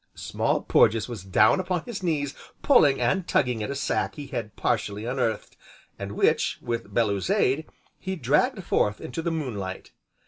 Small Porges was down upon his knees, pulling and tugging at a sack he had partially unearthed, and which, with Bellew's aid, he dragged forth into the moonlight.